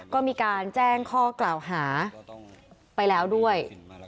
ก็มีการแจ้งข้อกล่าวหาไปแล้วด้วย